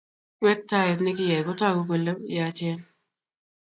ng'wektaet nekiyai kotoku kole yachen